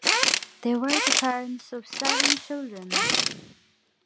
They were the parents of seven children.